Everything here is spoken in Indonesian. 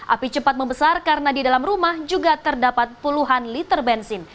api cepat membesar karena di dalam rumah juga terdapat puluhan liter bensin